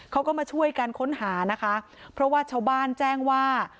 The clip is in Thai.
เขาก็มาช่วยกันค้นหานะคะเพราะว่าชาวบ้านแจ้งว่า